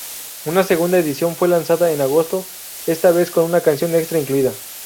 Una segunda edición fue lanzada en agosto, esta vez con una canción extra incluida.